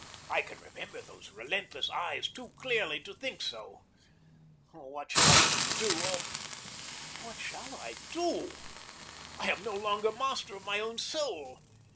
I can remember those relentless eyes too clearly to think so. What shall I do ah, what shall I do? I am no longer master of my own soul.